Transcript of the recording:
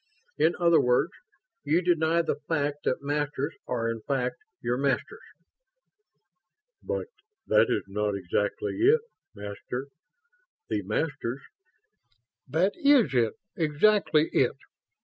In other words, you deny the fact that Masters are in fact your Masters." "But that is not exactly it, Master. The Masters ..." "That is it. Exactly it.